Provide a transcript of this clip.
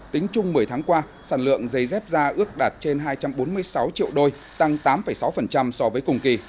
tính chung một mươi tháng qua sản lượng giấy dép da ước đạt trên hai trăm bốn mươi sáu triệu đôi tăng tám sáu so với cùng kỳ